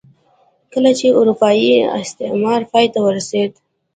کله چې اروپايي استعمار پای ته ورسېد.